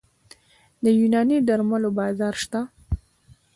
د یوناني درملو بازار شته؟